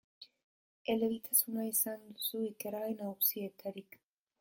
Elebitasuna izan duzu ikergai nagusietarik.